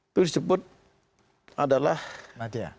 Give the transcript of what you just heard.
itu disebut adalah masyarakat